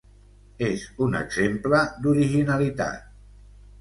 És un exemple d'originalitat.